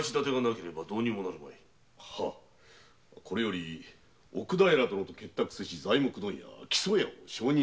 これより奥平殿と結託せし材木問屋・木曽屋を證人として。